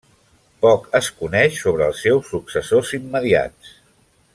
Poc es coneix sobre els seus successors immediats.